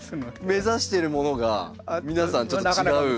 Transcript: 目指してるものが皆さんちょっと違う。